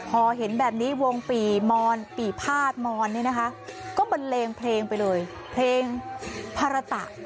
พอเห็นแบบนี้วงปี่มอนปี่พาดมอนนี่นะคะก็บันเลงเพลงไปเลยเพลงภาระตะ